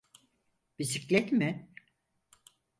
Bisiklet mi?